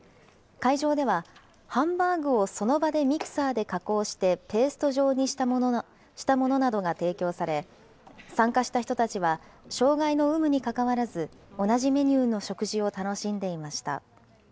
会場では、ハンバーグをその場でミキサーで加工して、ペースト状にしたものなどが提供され、参加した人たちは、障害の有無にかかわらず、同じメニューの食事を楽しんでいました。